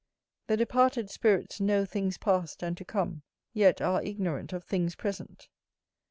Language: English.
The departed spirits know things past and to come; yet are ignorant of things present.